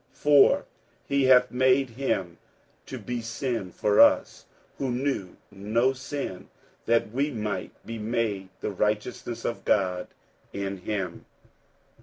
47:005:021 For he hath made him to be sin for us, who knew no sin; that we might be made the righteousness of God in him.